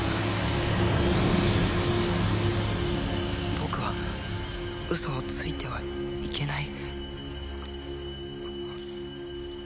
「僕は嘘をついてはいけない」